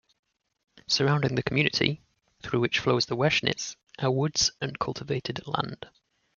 Surrounding the community, through which flows the Weschnitz, are woods and cultivated land.